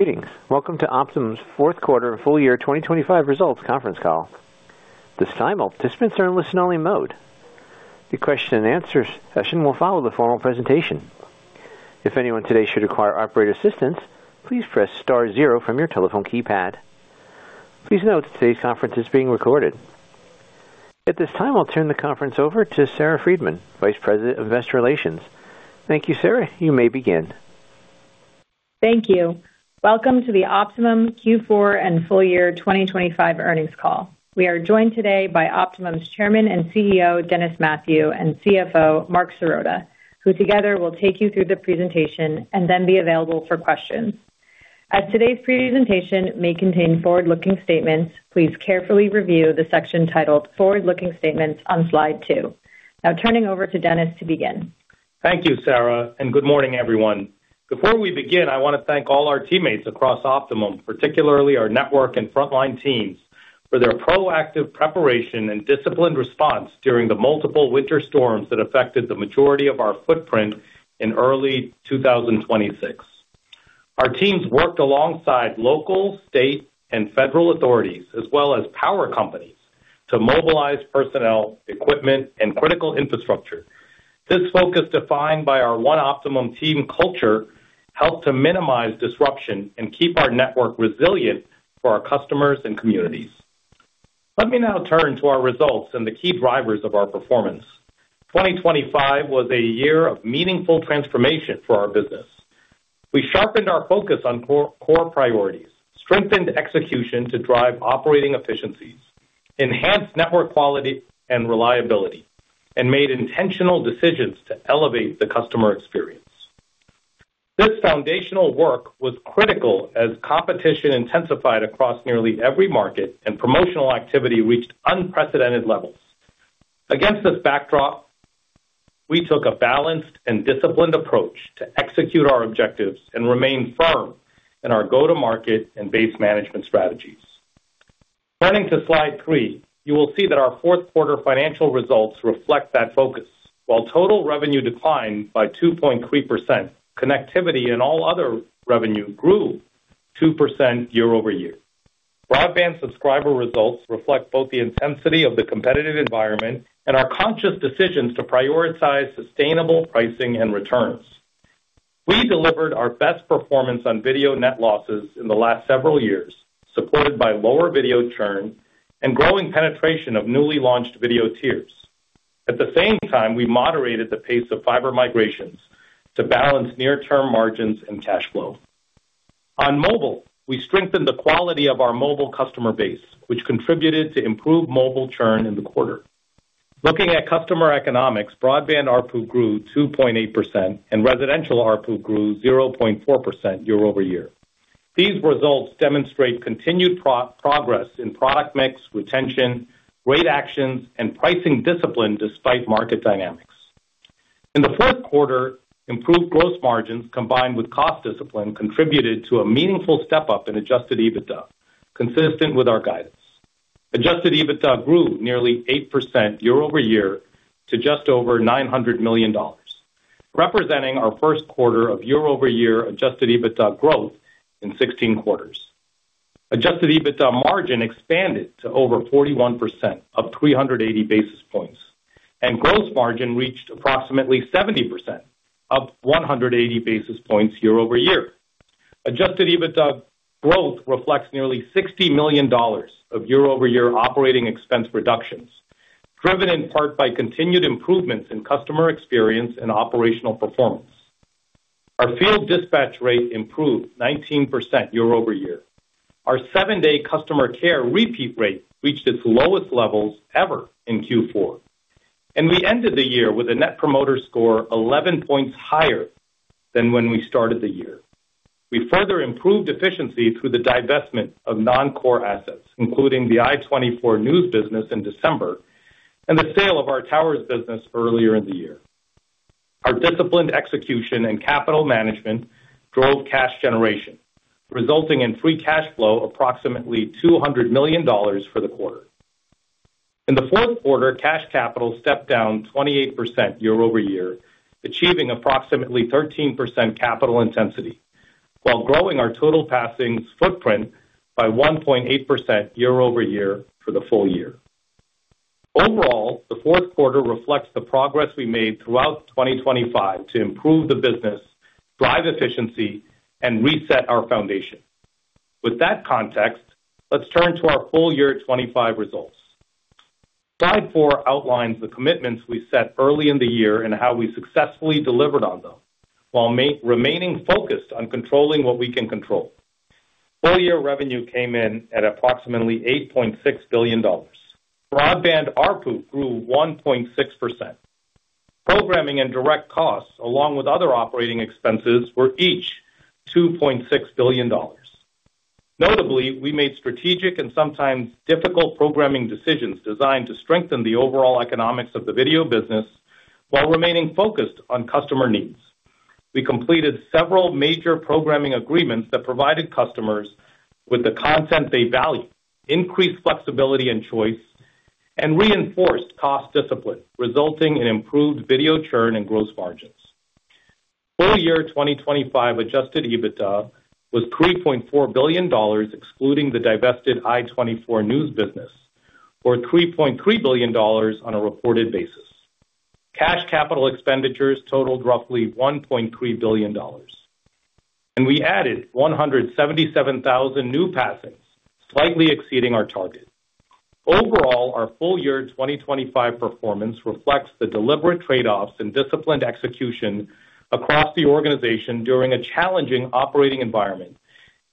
Greetings. Welcome to Optimum's Fourth Quarter and Full Year 2025 Results Conference Call. This time, participants are in listen-only mode. The question and answer session will follow the formal presentation. If anyone today should require operator assistance, please press star zero from your telephone keypad. Please note that today's conference is being recorded. At this time, I'll turn the conference over to Sarah Freedman, Vice President of Investor Relations. Thank you, Sarah. You may begin. Thank you. Welcome to the Optimum Q4 and Full Year 2025 Earnings Call. We are joined today by Optimum's Chairman and CEO, Dennis Mathew, and CFO, Marc Sirota, who together will take you through the presentation and then be available for questions. As today's presentation may contain forward-looking statements, please carefully review the section titled Forward-Looking Statements on slide two. Now turning over to Dennis to begin. Thank you, Sarah, and good morning, everyone. Before we begin, I want to thank all our teammates across Optimum, particularly our network and frontline teams, for their proactive preparation and disciplined response during the multiple winter storms that affected the majority of our footprint in early 2026. Our teams worked alongside local, state, and federal authorities, as well as power companies, to mobilize personnel, equipment, and critical infrastructure. This focus, defined by our One Optimum team culture, helped to minimize disruption and keep our network resilient for our customers and communities. Let me now turn to our results and the key drivers of our performance. 2025 was a year of meaningful transformation for our business. We sharpened our focus on core, core priorities, strengthened execution to drive operating efficiencies, enhanced network quality and reliability, and made intentional decisions to elevate the customer experience. This foundational work was critical as competition intensified across nearly every market and promotional activity reached unprecedented levels. Against this backdrop, we took a balanced and disciplined approach to execute our objectives and remain firm in our go-to-market and base management strategies. Turning to slide three, you will see that our fourth quarter financial results reflect that focus. While total revenue declined by 2.3%, connectivity and all other revenue grew 2% year-over-year. Broadband subscriber results reflect both the intensity of the competitive environment and our conscious decisions to prioritize sustainable pricing and returns. We delivered our best performance on video net losses in the last several years, supported by lower video churn and growing penetration of newly launched video tiers. At the same time, we moderated the pace of fiber migrations to balance near-term margins and cash flow. On mobile, we strengthened the quality of our mobile customer base, which contributed to improved mobile churn in the quarter. Looking at customer economics, broadband ARPU grew 2.8% and residential ARPU grew 0.4% year-over-year. These results demonstrate continued progress in product mix, retention, rate actions, and pricing discipline despite market dynamics. In the fourth quarter, improved gross margins, combined with cost discipline, contributed to a meaningful step up in adjusted EBITDA, consistent with our guidance. Adjusted EBITDA grew nearly 8% year-over-year to just over $900 million, representing our first quarter of year-over-year adjusted EBITDA growth in 16 quarters. Adjusted EBITDA margin expanded to over 41%, up 380 basis points, and gross margin reached approximately 70%, up 180 basis points year-over-year. Adjusted EBITDA growth reflects nearly $60 million of year-over-year operating expense reductions, driven in part by continued improvements in customer experience and operational performance. Our field dispatch rate improved 19% year-over-year. Our seven-day customer care repeat rate reached its lowest levels ever in Q4, and we ended the year with a Net Promoter Score 11 points higher than when we started the year. We further improved efficiency through the divestment of non-core assets, including the i24NEWS business in December and the sale of our towers business earlier in the year. Our disciplined execution and capital management drove cash generation, resulting in free cash flow approximately $200 million for the quarter. In the fourth quarter, cash capital stepped down 28% year-over-year, achieving approximately 13% capital intensity, while growing our total passings footprint by 1.8% year-over-year for the full year. Overall, the fourth quarter reflects the progress we made throughout 2025 to improve the business, drive efficiency, and reset our foundation. With that context, let's turn to our full year 2025 results. Slide four outlines the commitments we set early in the year and how we successfully delivered on them, while remaining focused on controlling what we can control. Full year revenue came in at approximately $8.6 billion. Broadband ARPU grew 1.6%. Programming and direct costs, along with other operating expenses, were each $2.6 billion. Notably, we made strategic and sometimes difficult programming decisions designed to strengthen the overall economics of the video business while remaining focused on customer needs. We completed several major programming agreements that provided customers with the content they value, increased flexibility and choice, and reinforced cost discipline, resulting in improved video churn and gross margins. Full year 2025 Adjusted EBITDA was $3.4 billion, excluding the divested i24NEWS business, or $3.3 billion on a reported basis. Cash capital expenditures totaled roughly $1.3 billion, and we added 177,000 new passings, slightly exceeding our target. Overall, our full year 2025 performance reflects the deliberate trade-offs and disciplined execution across the organization during a challenging operating environment.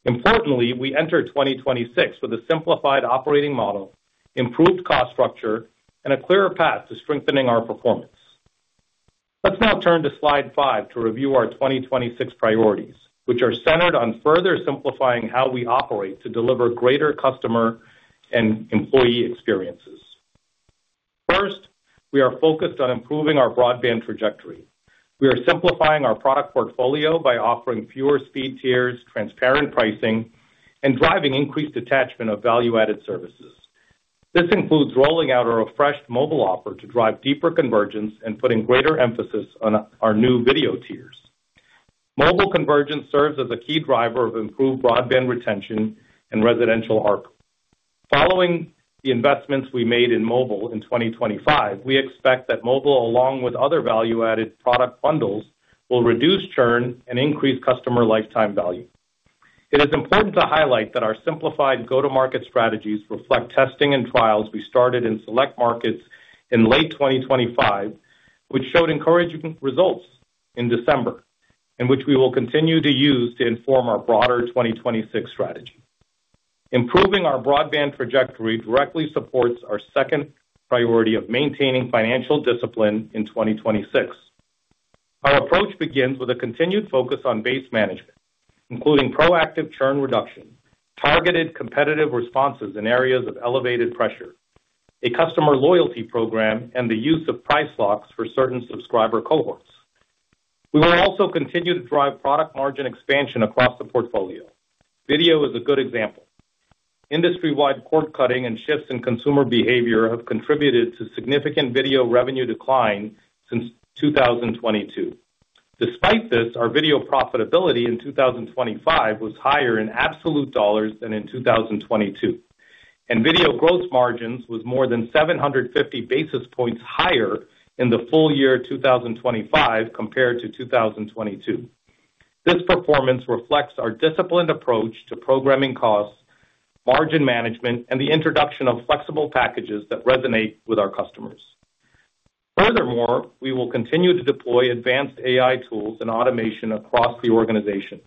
Importantly, we entered 2026 with a simplified operating model, improved cost structure, and a clearer path to strengthening our performance. Let's now turn to slide five to review our 2026 priorities, which are centered on further simplifying how we operate to deliver greater customer and employee experiences. First, we are focused on improving our broadband trajectory. We are simplifying our product portfolio by offering fewer speed tiers, transparent pricing, and driving increased attachment of value-added services. This includes rolling out our refreshed mobile offer to drive deeper convergence and putting greater emphasis on our new video tiers. Mobile convergence serves as a key driver of improved broadband retention and residential ARPU. Following the investments we made in mobile in 2025, we expect that mobile, along with other value-added product bundles, will reduce churn and increase customer lifetime value. It is important to highlight that our simplified go-to-market strategies reflect testing and trials we started in select markets in late 2025, which showed encouraging results in December, and which we will continue to use to inform our broader 2026 strategy. Improving our broadband trajectory directly supports our second priority of maintaining financial discipline in 2026. Our approach begins with a continued focus on base management, including proactive churn reduction, targeted competitive responses in areas of elevated pressure, a customer loyalty program, and the use of price locks for certain subscriber cohorts. We will also continue to drive product margin expansion across the portfolio. Video is a good example. Industry-wide cord-cutting and shifts in consumer behavior have contributed to significant video revenue decline since 2022. Despite this, our video profitability in 2025 was higher in absolute dollars than in 2022, and video gross margins was more than 750 basis points higher in the full year 2025 compared to 2022. This performance reflects our disciplined approach to programming costs, margin management, and the introduction of flexible packages that resonate with our customers. Furthermore, we will continue to deploy advanced AI tools and automation across the organization,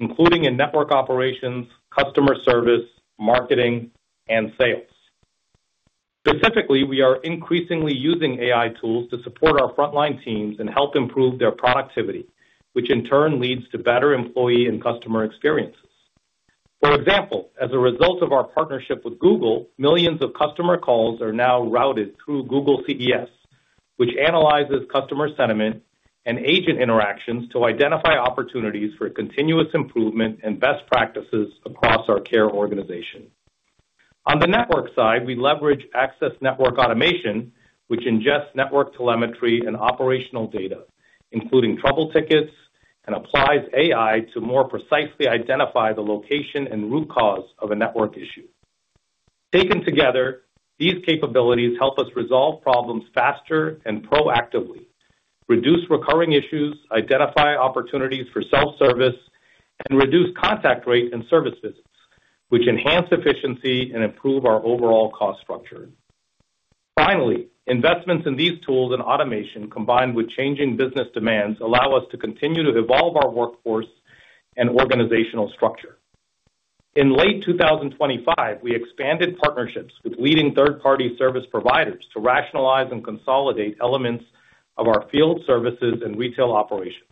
including in network operations, customer service, marketing, and sales. Specifically, we are increasingly using AI tools to support our frontline teams and help improve their productivity, which in turn leads to better employee and customer experiences. For example, as a result of our partnership with Google, millions of customer calls are now routed through Google CCAI, which analyzes customer sentiment and agent interactions to identify opportunities for continuous improvement and best practices across our care organization. On the network side, we leverage access network automation, which ingests network telemetry and operational data, including trouble tickets, and applies AI to more precisely identify the location and root cause of a network issue. Taken together, these capabilities help us resolve problems faster and proactively, reduce recurring issues, identify opportunities for self-service, and reduce contact rate and service visits, which enhance efficiency and improve our overall cost structure. Finally, investments in these tools and automation, combined with changing business demands, allow us to continue to evolve our workforce and organizational structure. In late 2025, we expanded partnerships with leading third-party service providers to rationalize and consolidate elements of our field services and retail operations,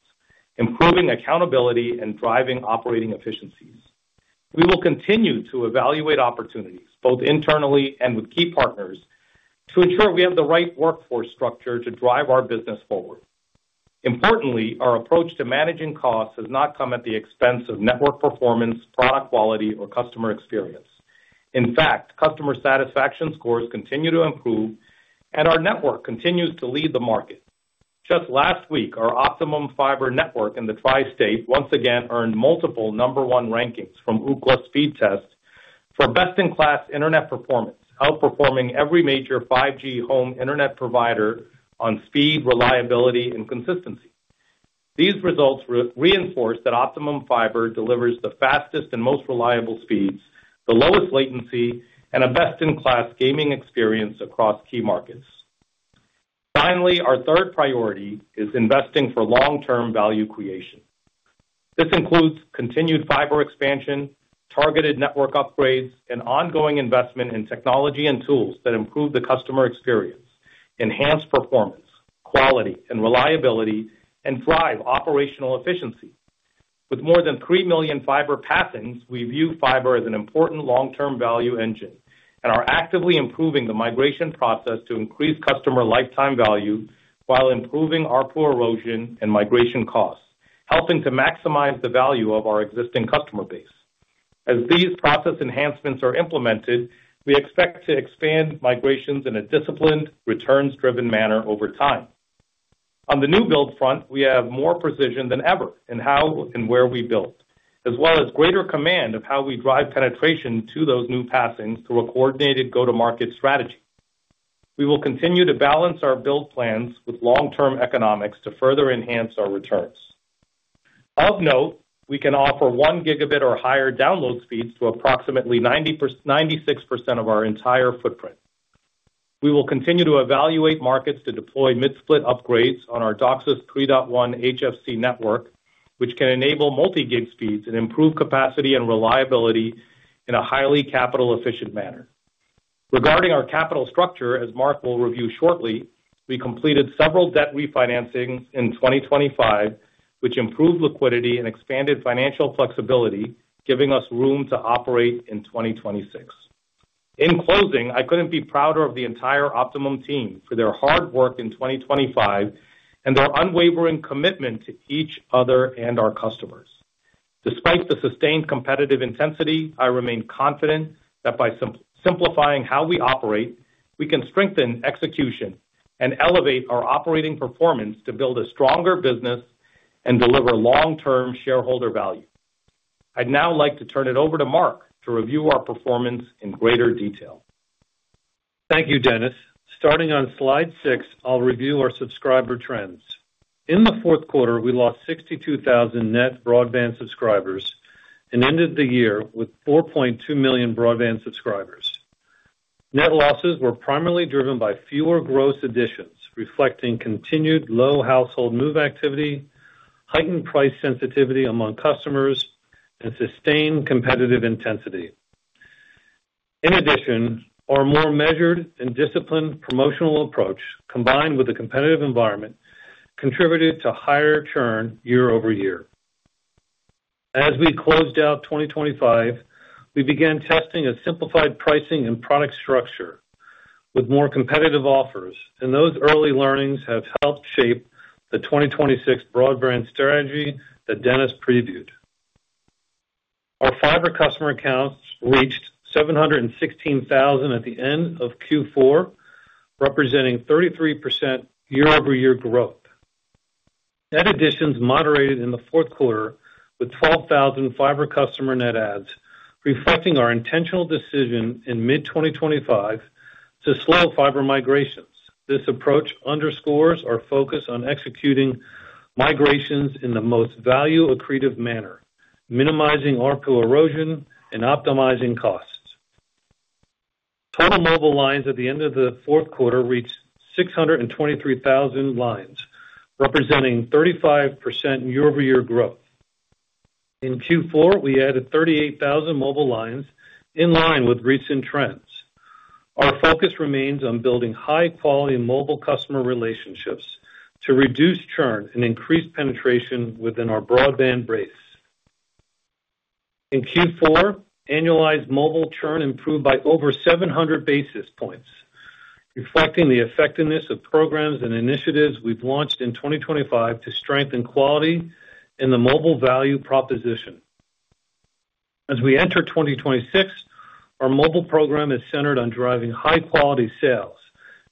improving accountability and driving operating efficiencies. We will continue to evaluate opportunities, both internally and with key partners, to ensure we have the right workforce structure to drive our business forward. Importantly, our approach to managing costs has not come at the expense of network performance, product quality, or customer experience. In fact, customer satisfaction scores continue to improve, and our network continues to lead the market. Just last week, our Optimum Fiber network in the Tri-State once again earned multiple number one rankings from Ookla Speedtest for best-in-class internet performance, outperforming every major 5G home internet provider on speed, reliability, and consistency. These results reinforce that Optimum Fiber delivers the fastest and most reliable speeds, the lowest latency, and a best-in-class gaming experience across key markets. Finally, our third priority is investing for long-term value creation. This includes continued fiber expansion, targeted network upgrades, and ongoing investment in technology and tools that improve the customer experience, enhance performance, quality, and reliability, and drive operational efficiency. With more than 3 million fiber passings, we view fiber as an important long-term value engine and are actively improving the migration process to increase customer lifetime value while improving ARPU erosion and migration costs, helping to maximize the value of our existing customer base. As these process enhancements are implemented, we expect to expand migrations in a disciplined, returns-driven manner over time. On the new build front, we have more precision than ever in how and where we build, as well as greater command of how we drive penetration to those new passings through a coordinated go-to-market strategy. We will continue to balance our build plans with long-term economics to further enhance our returns. Of note, we can offer 1 gigabit or higher download speeds to approximately 96% of our entire footprint. We will continue to evaluate markets to deploy mid-split upgrades on our DOCSIS 3.1 HFC network, which can enable multi-gig speeds and improve capacity and reliability in a highly capital-efficient manner. Regarding our capital structure, as Marc will review shortly, we completed several debt refinancings in 2025, which improved liquidity and expanded financial flexibility, giving us room to operate in 2026. In closing, I couldn't be prouder of the entire Optimum team for their hard work in 2025 and their unwavering commitment to each other and our customers. Despite the sustained competitive intensity, I remain confident that by simplifying how we operate, we can strengthen execution and elevate our operating performance to build a stronger business and deliver long-term shareholder value. I'd now like to turn it over to Marc to review our performance in greater detail. Thank you, Dennis. Starting on Slide six, I'll review our subscriber trends. In the fourth quarter, we lost 62,000 net broadband subscribers and ended the year with 4.2 million broadband subscribers. Net losses were primarily driven by fewer gross additions, reflecting continued low household move activity, heightened price sensitivity among customers, and sustained competitive intensity. In addition, our more measured and disciplined promotional approach, combined with a competitive environment, contributed to higher churn year-over-year. As we closed out 2025, we began testing a simplified pricing and product structure with more competitive offers, and those early learnings have helped shape the 2026 broadband strategy that Dennis previewed. Our fiber customer accounts reached 716,000 at the end of Q4, representing 33% year-over-year growth. Net additions moderated in the fourth quarter, with 12,000 fiber customer net adds, reflecting our intentional decision in mid-2025 to slow fiber migrations. This approach underscores our focus on executing migrations in the most value accretive manner, minimizing ARPU erosion, and optimizing costs. Total mobile lines at the end of the fourth quarter reached 623,000 lines, representing 35% year-over-year growth. In Q4, we added 38,000 mobile lines, in line with recent trends. Our focus remains on building high-quality mobile customer relationships to reduce churn and increase penetration within our broadband base. In Q4, annualized mobile churn improved by over 700 basis points, reflecting the effectiveness of programs and initiatives we've launched in 2025 to strengthen quality in the mobile value proposition. As we enter 2026, our mobile program is centered on driving high-quality sales,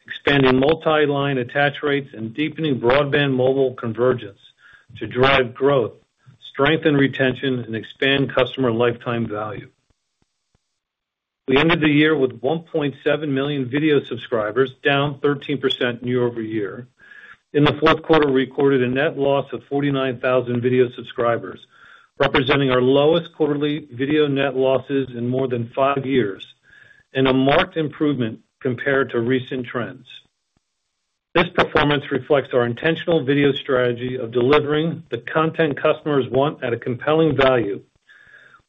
expanding multi-line attach rates, and deepening broadband mobile convergence to drive growth, strengthen retention, and expand customer lifetime value. We ended the year with 1.7 million video subscribers, down 13% year-over-year. In the fourth quarter, we recorded a net loss of 49,000 video subscribers, representing our lowest quarterly video net losses in more than five years, and a marked improvement compared to recent trends. This performance reflects our intentional video strategy of delivering the content customers want at a compelling value,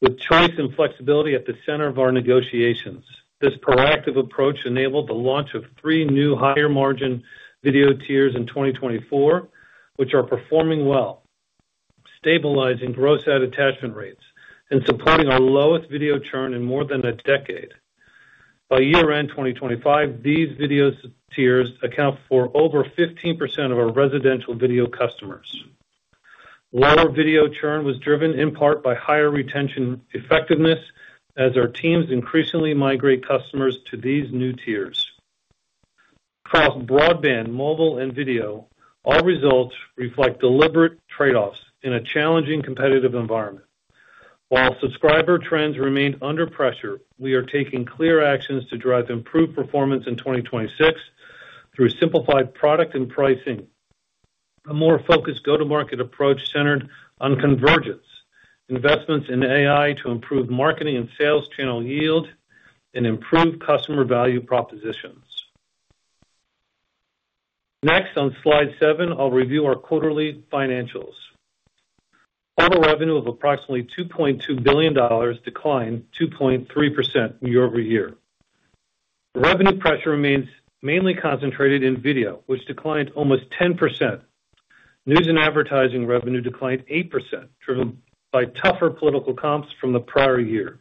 with choice and flexibility at the center of our negotiations. This proactive approach enabled the launch of three new higher-margin video tiers in 2024, which are performing well, stabilizing gross ad attachment rates, and supporting our lowest video churn in more than a decade. By year-end 2025, these video tiers account for over 15% of our residential video customers. Lower video churn was driven in part by higher retention effectiveness, as our teams increasingly migrate customers to these new tiers. Across broadband, mobile, and video, our results reflect deliberate trade-offs in a challenging competitive environment. While subscriber trends remain under pressure, we are taking clear actions to drive improved performance in 2026 through simplified product and pricing, a more focused go-to-market approach centered on convergence, investments in AI to improve marketing and sales channel yield, and improved customer value propositions. Next, on Slide seven, I'll review our quarterly financials. Total revenue of approximately $2.2 billion declined 2.3% year-over-year. Revenue pressure remains mainly concentrated in video, which declined almost 10%. News and Advertising revenue declined 8%, driven by tougher political comps from the prior year.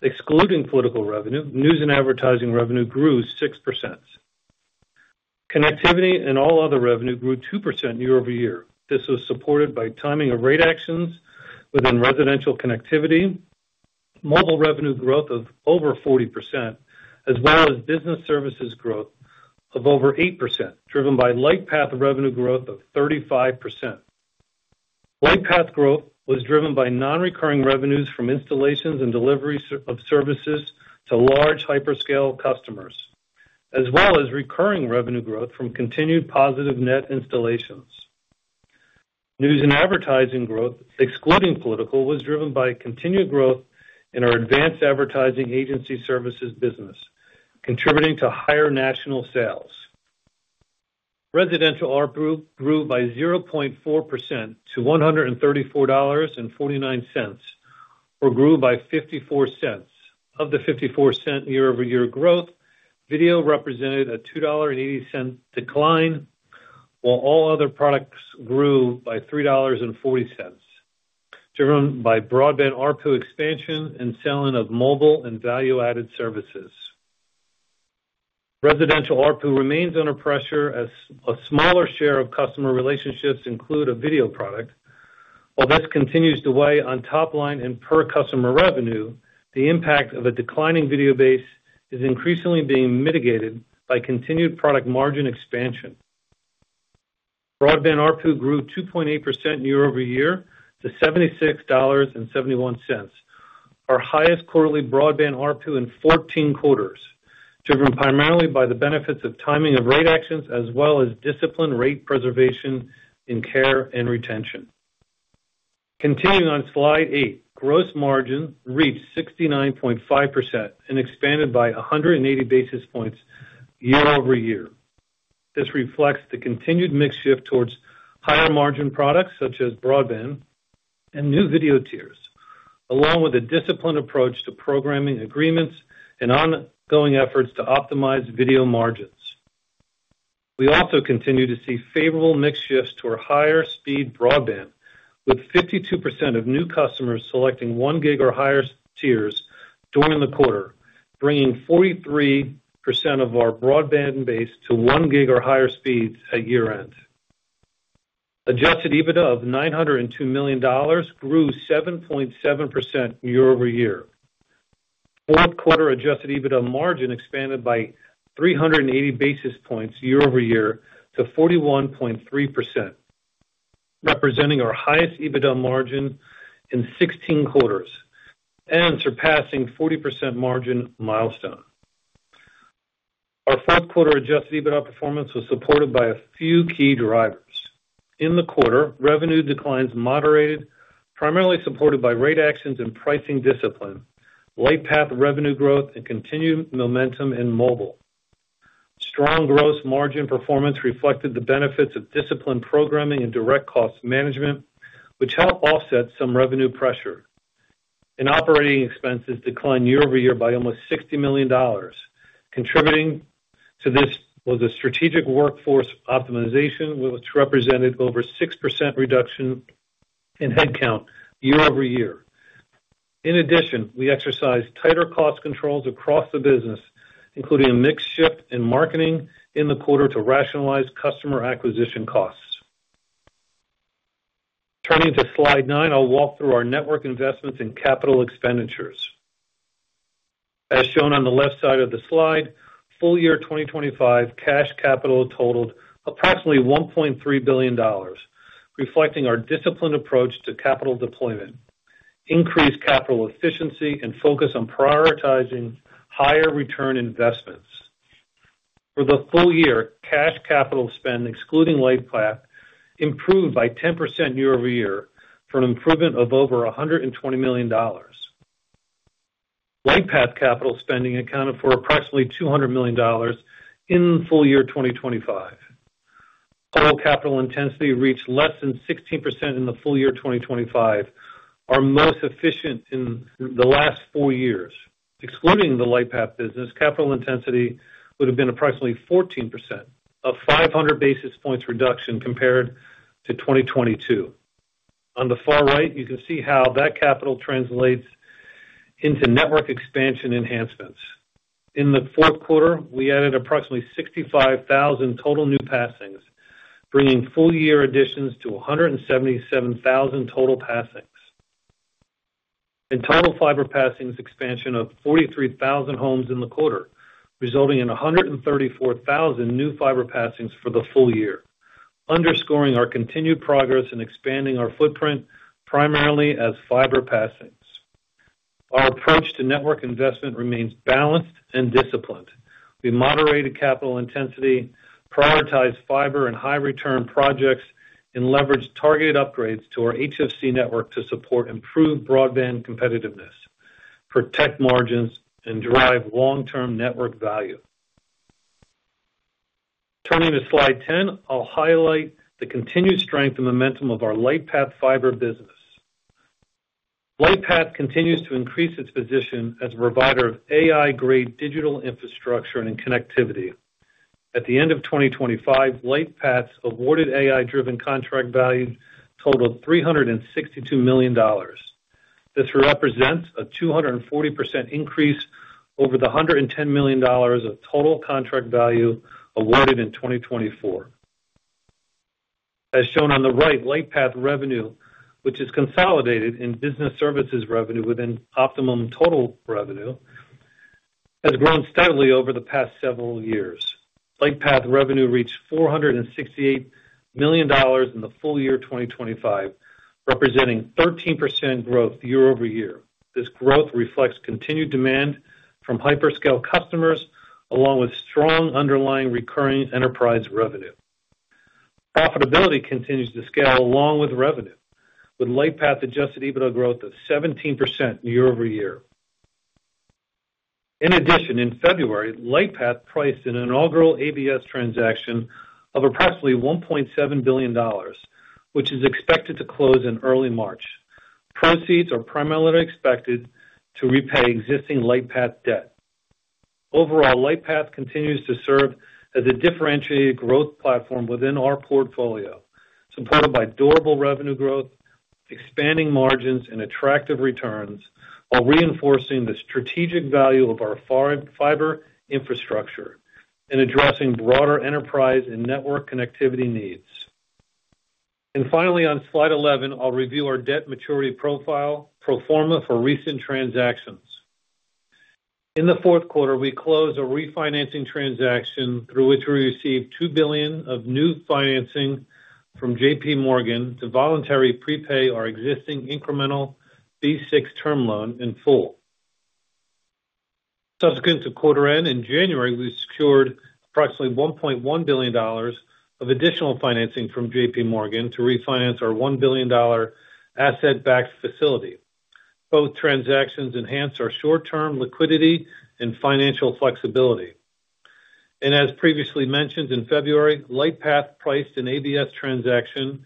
Excluding political revenue, News and Advertising revenue grew 6%. Connectivity and all other revenue grew 2% year-over-year. This was supported by timing of rate actions within residential connectivity, mobile revenue growth of over 40%, as well as Business Services growth of over 8%, driven by Lightpath revenue growth of 35%. Lightpath growth was driven by non-recurring revenues from installations and delivery of services to large hyperscale customers, as well as recurring revenue growth from continued positive net installations. News and Advertising growth, excluding political, was driven by continued growth in our advanced advertising agency services business, contributing to higher national sales. Residential ARPU grew by 0.4% to $134.49, or grew by $0.54. Of the $0.54 year-over-year growth, video represented a $2.80 decline, while all other products grew by $3.40, driven by broadband ARPU expansion and selling of mobile and value-added services. Residential ARPU remains under pressure as a smaller share of customer relationships include a video product. While this continues to weigh on top line and per customer revenue, the impact of a declining video base is increasingly being mitigated by continued product margin expansion. Broadband ARPU grew 2.8% year-over-year to $76.71, our highest quarterly broadband ARPU in 14 quarters, driven primarily by the benefits of timing of rate actions as well as disciplined rate preservation in care and retention. Continuing on Slide eight, gross margin reached 69.5% and expanded by 180 basis points year-over-year. This reflects the continued mix shift towards higher margin products, such as broadband and new video tiers, along with a disciplined approach to programming agreements and ongoing efforts to optimize video margins. We also continue to see favorable mix shifts to our higher speed broadband, with 52% of new customers selecting one gig or higher tiers during the quarter, bringing 43% of our broadband base to one gig or higher speeds at year-end. Adjusted EBITDA of $902 million grew 7.7% year-over-year. Fourth quarter adjusted EBITDA margin expanded by 380 basis points year-over-year to 41.3%, representing our highest EBITDA margin in 16 quarters and surpassing 40% margin milestone. Our fourth quarter adjusted EBITDA performance was supported by a few key drivers. In the quarter, revenue declines moderated, primarily supported by rate actions and pricing discipline, Lightpath revenue growth, and continued momentum in mobile. Strong gross margin performance reflected the benefits of disciplined programming and direct cost management, which helped offset some revenue pressure, and operating expenses declined year-over-year by almost $60 million. Contributing to this was a strategic workforce optimization, which represented over 6% reduction in headcount year-over-year. In addition, we exercised tighter cost controls across the business, including a mix shift in marketing in the quarter to rationalize customer acquisition costs. Turning to Slide nine, I'll walk through our network investments in capital expenditures. As shown on the left side of the slide, full year 2025 cash capital totaled approximately $1.3 billion, reflecting our disciplined approach to capital deployment, increased capital efficiency, and focus on prioritizing higher return investments. For the full year, cash capital spend, excluding Lightpath, improved by 10% year-over-year for an improvement of over $120 million. Lightpath capital spending accounted for approximately $200 million in full year 2025. Total capital intensity reached less than 16% in the full year 2025, our most efficient in the last four years. Excluding the Lightpath business, capital intensity would have been approximately 14%, a 500 basis points reduction compared to 2022. On the far right, you can see how that capital translates into network expansion enhancements. In the fourth quarter, we added approximately 65,000 total new passings, bringing full year additions to 177,000 total passings. In total fiber passings expansion of 43,000 homes in the quarter, resulting in 134,000 new fiber passings for the full year, underscoring our continued progress in expanding our footprint, primarily as fiber passings. Our approach to network investment remains balanced and disciplined. We moderated capital intensity, prioritized fiber and high return projects, and leveraged targeted upgrades to our HFC network to support improved broadband competitiveness, protect margins, and drive long-term network value. Turning to Slide 10, I'll highlight the continued strength and momentum of our Lightpath fiber business. Lightpath continues to increase its position as a provider of AI-grade digital infrastructure and connectivity. At the end of 2025, Lightpath's awarded AI-driven contract value totaled $362 million. This represents a 240% increase over the $110 million of total contract value awarded in 2024. As shown on the right, Lightpath revenue, which is consolidated in Business Services revenue within Optimum total revenue, has grown steadily over the past several years. Lightpath revenue reached $468 million in the full year 2025, representing 13% growth year-over-year. This growth reflects continued demand from hyperscale customers, along with strong underlying recurring enterprise revenue. Profitability continues to scale along with revenue, with Lightpath Adjusted EBITDA growth of 17% year-over-year. In addition, in February, Lightpath priced an inaugural ABS transaction of approximately $1.7 billion, which is expected to close in early March. Proceeds are primarily expected to repay existing Lightpath debt. Overall, Lightpath continues to serve as a differentiated growth platform within our portfolio, supported by durable revenue growth, expanding margins, and attractive returns, while reinforcing the strategic value of our fiber infrastructure and addressing broader enterprise and network connectivity needs. Finally, on slide 11, I'll review our debt maturity profile pro forma for recent transactions. In the fourth quarter, we closed a refinancing transaction through which we received $2 billion of new financing from JPMorgan to voluntarily prepay our existing incremental B6 Term Loan in full. Subsequent to quarter end, in January, we secured approximately $1.1 billion of additional financing from JPMorgan to refinance our $1 billion asset-backed facility. Both transactions enhance our short-term liquidity and financial flexibility. And as previously mentioned, in February, Lightpath priced an ABS transaction,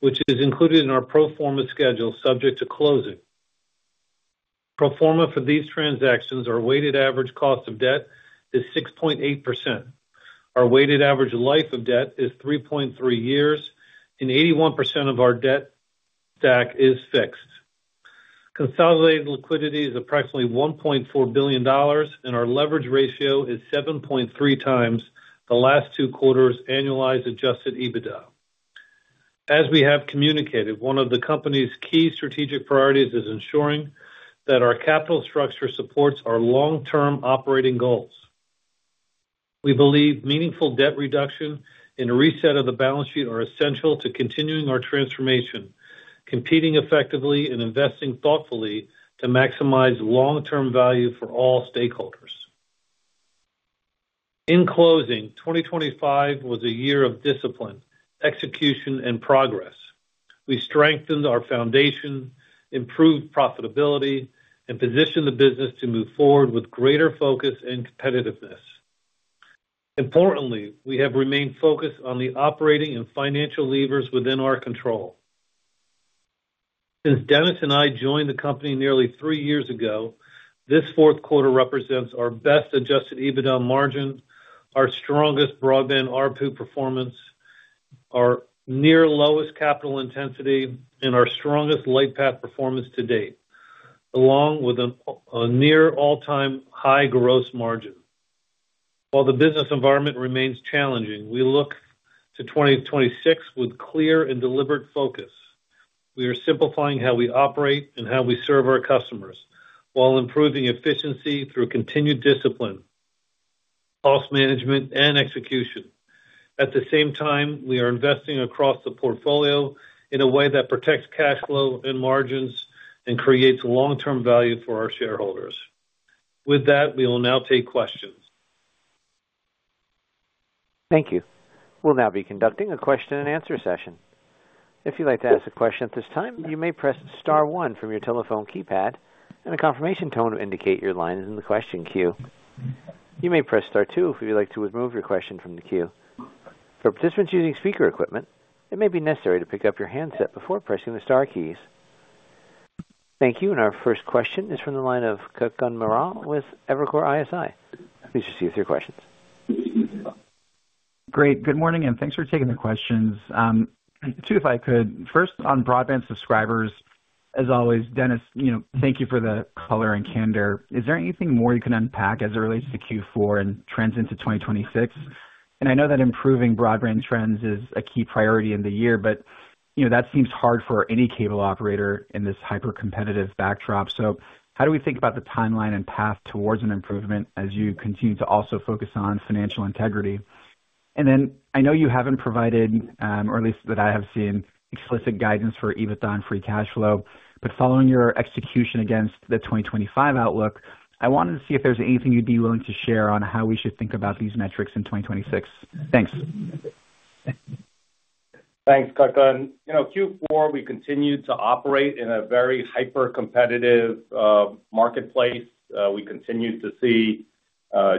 which is included in our pro forma schedule, subject to closing. Pro forma for these transactions, our weighted average cost of debt is 6.8%. Our weighted average life of debt is 3.3 years, and 81% of our debt stack is fixed. Consolidated liquidity is approximately $1.4 billion, and our leverage ratio is 7.3x the last two quarters' annualized adjusted EBITDA. As we have communicated, one of the company's key strategic priorities is ensuring that our capital structure supports our long-term operating goals. We believe meaningful debt reduction and a reset of the balance sheet are essential to continuing our transformation, competing effectively, and investing thoughtfully to maximize long-term value for all stakeholders. In closing, 2025 was a year of discipline, execution, and progress. We strengthened our foundation, improved profitability, and positioned the business to move forward with greater focus and competitiveness. Importantly, we have remained focused on the operating and financial levers within our control. Since Dennis and I joined the company nearly three years ago, this fourth quarter represents our best adjusted EBITDA margin, our strongest broadband ARPU performance, our near lowest capital intensity, and our strongest Lightpath performance to date, along with a near all-time high gross margin. While the business environment remains challenging, we look to 2026 with clear and deliberate focus. We are simplifying how we operate and how we serve our customers, while improving efficiency through continued discipline, cost management, and execution. At the same time, we are investing across the portfolio in a way that protects cash flow and margins and creates long-term value for our shareholders. With that, we will now take questions. Thank you. We'll now be conducting a question-and-answer session. If you'd like to ask a question at this time, you may press star one from your telephone keypad, and a confirmation tone will indicate your line is in the question queue. You may press star two if you'd like to remove your question from the queue. For participants using speaker equipment, it may be necessary to pick up your handset before pressing the star keys. Thank you, and our first question is from the line of Kutgun Maral with Evercore ISI. Please proceed with your questions. Great. Good morning, and thanks for taking the questions. Two, if I could. First, on broadband subscribers, as always, Dennis, you know, thank you for the color and candor. Is there anything more you can unpack as it relates to Q4 and trends into 2026? And I know that improving broadband trends is a key priority in the year, but, you know, that seems hard for any cable operator in this hypercompetitive backdrop. So how do we think about the timeline and path towards an improvement as you continue to also focus on financial integrity? And then, I know you haven't provided, or at least that I have seen, explicit guidance for EBITDA and free cash flow, but following your execution against the 2025 outlook, I wanted to see if there's anything you'd be willing to share on how we should think about these metrics in 2026. Thanks. Thanks, Kutgun. You know, Q4, we continued to operate in a very hypercompetitive, marketplace. We continued to see,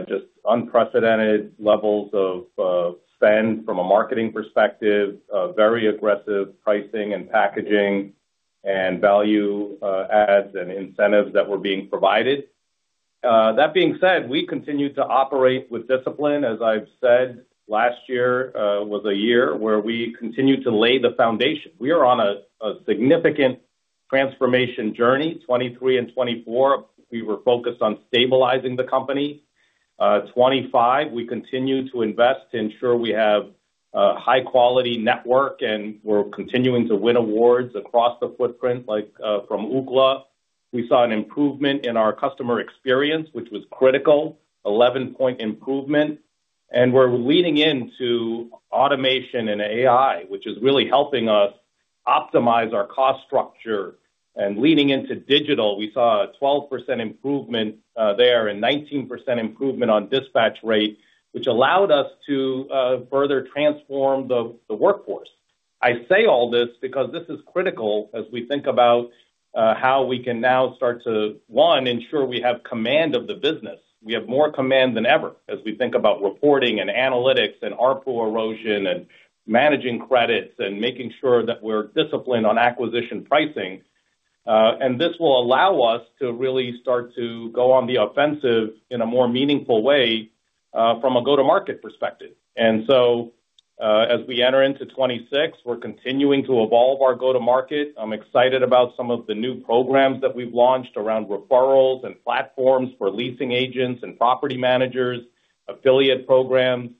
just unprecedented levels of, spend from a marketing perspective, a very aggressive pricing and packaging, and value, adds, and incentives that were being provided.... That being said, we continue to operate with discipline. As I've said, last year was a year where we continued to lay the foundation. We are on a significant transformation journey. 2023 and 2024, we were focused on stabilizing the company. 2025, we continued to invest to ensure we have a high-quality network, and we're continuing to win awards across the footprint, like from Ookla. We saw an improvement in our customer experience, which was critical, 11-point improvement, and we're leaning into automation and AI, which is really helping us optimize our cost structure. Leaning into digital, we saw a 12% improvement there, and 19% improvement on dispatch rate, which allowed us to further transform the workforce. I say all this because this is critical as we think about how we can now start to, one, ensure we have command of the business. We have more command than ever, as we think about reporting and analytics and ARPU erosion and managing credits and making sure that we're disciplined on acquisition pricing. And this will allow us to really start to go on the offensive in a more meaningful way, from a go-to-market perspective. And so, as we enter into 2026, we're continuing to evolve our go-to-market. I'm excited about some of the new programs that we've launched around referrals and platforms for leasing agents and property managers, affiliate programs.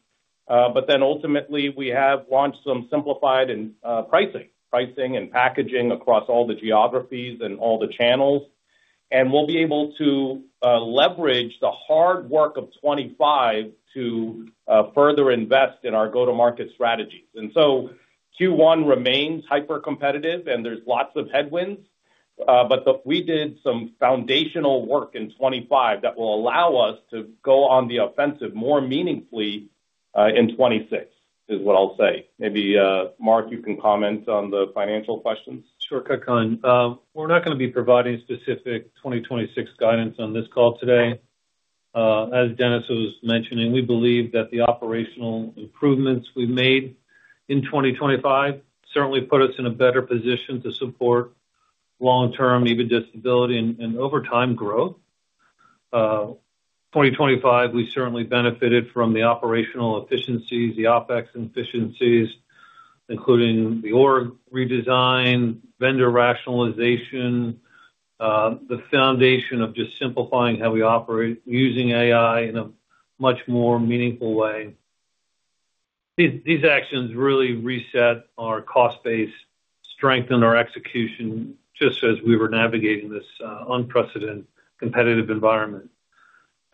But then ultimately, we have launched some simplified and pricing, pricing and packaging across all the geographies and all the channels. We'll be able to leverage the hard work of 2025 to further invest in our go-to-market strategies. So Q1 remains hypercompetitive, and there's lots of headwinds, but we did some foundational work in 2025 that will allow us to go on the offensive more meaningfully in 2026, is what I'll say. Maybe, Marc, you can comment on the financial questions. Sure, Kutgun. We're not going to be providing specific 2026 guidance on this call today. As Dennis was mentioning, we believe that the operational improvements we've made in 2025 certainly put us in a better position to support long-term EBITDA stability and, and over time, growth. 2025, we certainly benefited from the operational efficiencies, the OpEx efficiencies, including the org redesign, vendor rationalization, the foundation of just simplifying how we operate, using AI in a much more meaningful way. These, these actions really reset our cost base, strengthened our execution, just as we were navigating this, unprecedented competitive environment.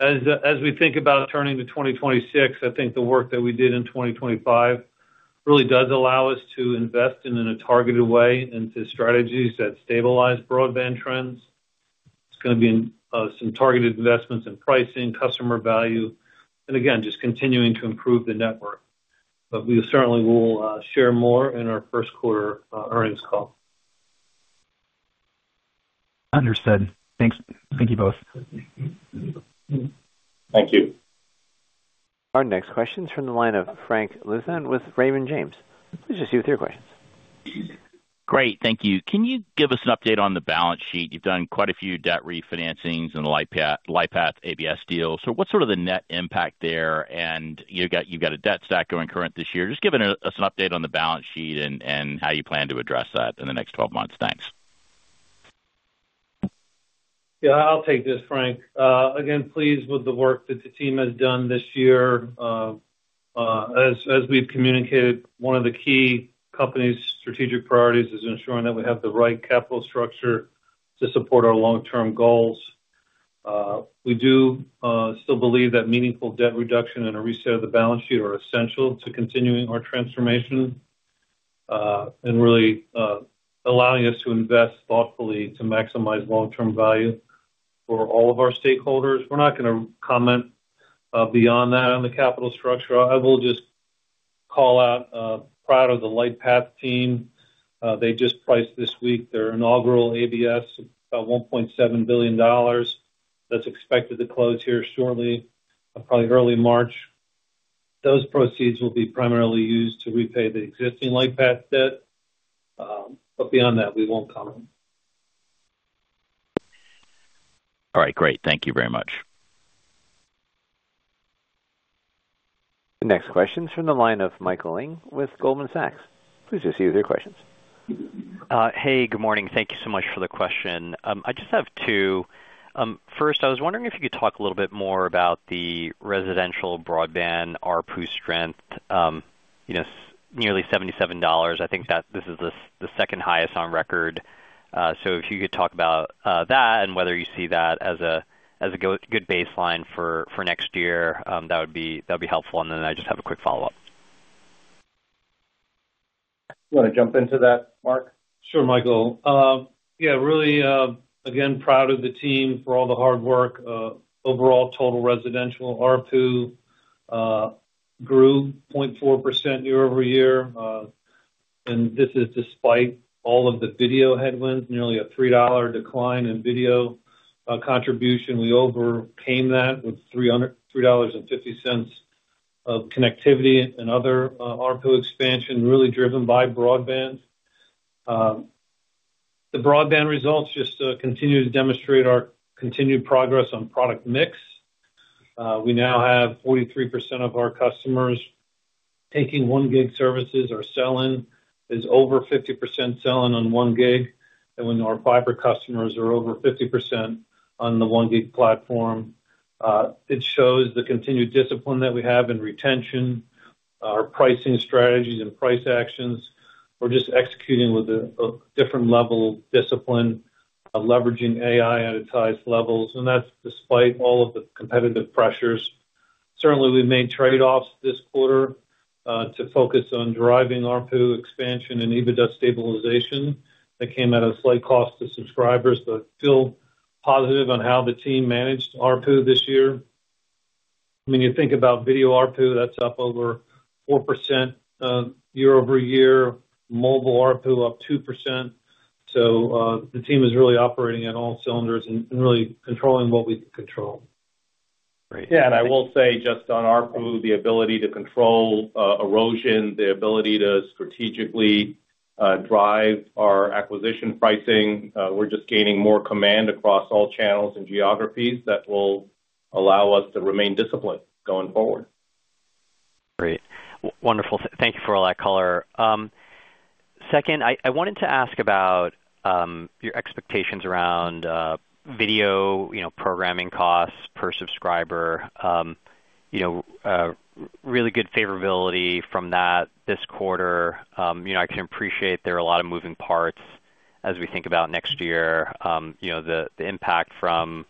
As we think about turning to 2026, I think the work that we did in 2025 really does allow us to invest in a targeted way into strategies that stabilize broadband trends. It's going to be some targeted investments in pricing, customer value, and again, just continuing to improve the network. But we certainly will share more in our first quarter earnings call. Understood. Thanks. Thank you both. Thank you. Our next question is from the line of Frank Louthan with Raymond James. Please proceed with your questions. Great, thank you. Can you give us an update on the balance sheet? You've done quite a few debt refinancings and Lightpath ABS deals. So what's sort of the net impact there? And you've got a debt stack going current this year. Just give us an update on the balance sheet and how you plan to address that in the next twelve months. Thanks. Yeah, I'll take this, Frank. Again, pleased with the work that the team has done this year. As we've communicated, one of the key company's strategic priorities is ensuring that we have the right capital structure to support our long-term goals. We do still believe that meaningful debt reduction and a reset of the balance sheet are essential to continuing our transformation, and really allowing us to invest thoughtfully to maximize long-term value for all of our stakeholders. We're not going to comment beyond that on the capital structure. I will just call out proud of the Lightpath team. They just priced this week their inaugural ABS, about $1.7 billion. That's expected to close here shortly, probably early March. Those proceeds will be primarily used to repay the existing Lightpath debt, but beyond that, we won't comment. All right, great. Thank you very much. The next question is from the line of Michael Ng with Goldman Sachs. Please proceed with your questions. Hey, good morning. Thank you so much for the question. I just have two. First, I was wondering if you could talk a little bit more about the residential broadband ARPU strength. You know, nearly $77. I think that this is the second highest on record. So if you could talk about that and whether you see that as a good baseline for next year, that would be helpful. And then I just have a quick follow-up. You want to jump into that, Marc? Sure, Michael. Yeah, really, again, proud of the team for all the hard work. Overall, total residential ARPU grew 0.4% year-over-year. And this is despite all of the video headwinds, nearly a $3 decline in video contribution. We overpaid that with $3.50 of connectivity and other ARPU expansion, really driven by broadband. The broadband results just continue to demonstrate our continued progress on product mix. We now have 43% of our customers taking one gig services or selling. There's over 50% selling on one gig, and when our fiber customers are over 50% on the one gig platform, it shows the continued discipline that we have in retention, our pricing strategies and price actions. We're just executing with a different level of discipline, of leveraging AI at its highest levels, and that's despite all of the competitive pressures. Certainly, we've made trade-offs this quarter to focus on driving ARPU expansion and EBITDA stabilization. That came at a slight cost to subscribers, but still positive on how the team managed ARPU this year. When you think about video ARPU, that's up over 4%, year-over-year, mobile ARPU up 2%. So, the team is really operating on all cylinders and really controlling what we can control. Great. Yeah, and I will say, just on ARPU, the ability to control, erosion, the ability to strategically, drive our acquisition pricing, we're just gaining more command across all channels and geographies that will allow us to remain disciplined going forward. Great. Wonderful. Thank you for all that color. Second, I wanted to ask about your expectations around video, you know, programming costs per subscriber. You know, really good favorability from that this quarter. You know, I can appreciate there are a lot of moving parts as we think about next year, you know, the impact from,